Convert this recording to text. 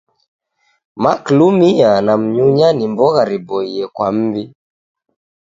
Maklumia na mnyunya ni mbogha riboie kwa m'mbi.